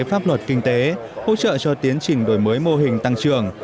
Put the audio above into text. pháp luật kinh tế hỗ trợ cho tiến trình đổi mới mô hình tăng trưởng